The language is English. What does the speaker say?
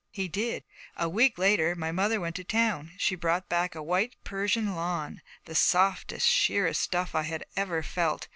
He did. A week later my mother went to town. She brought back white Persian lawn, the softest, sheerest stuff I had ever felt.